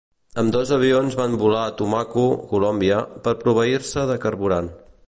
Ambdós avions van volar a Tumaco, Colòmbia, per proveir-se de carburant.